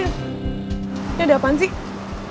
ini ada apaan sih